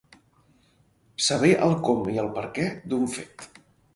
Saber el com i el perquè d'un fet.